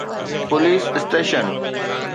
police station